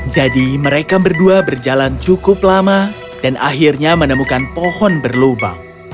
jadi mereka berdua berjalan cukup lama dan akhirnya menemukan pohon berlubang